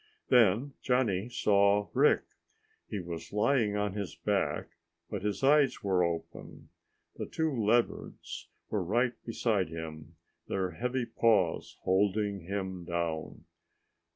Then Johnny saw Rick. He was lying on his back, but his eyes were open. The two leopards were right beside him, their heavy paws holding him down.